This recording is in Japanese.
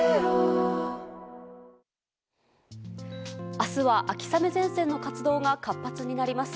明日は秋雨前線の活動が活発になります。